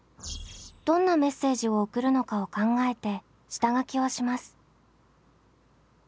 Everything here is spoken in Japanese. どんなメッセージを送るのかを考えて下書きをします。